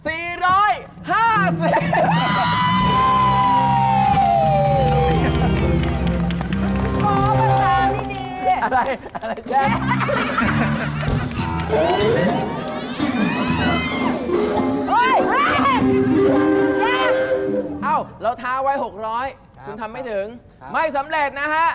เออขึ้นมาเท่าไหร่อย่ามองไม่เห็นนะ